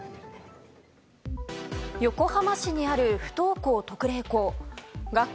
横浜市にある不登校特例校。